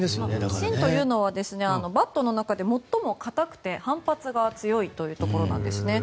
芯というのはバットの中で最も硬くて反発が強いというところなんですね。